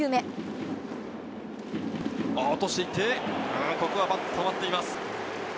落としていって、ここはバット止まっています。